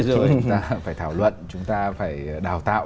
chúng ta phải thảo luận chúng ta phải đào tạo